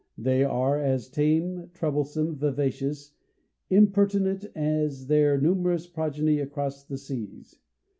They are as tame, troublesome, vivacious, and impertinent, as their numerous progeny across the seas.